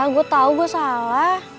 gue tahu gue salah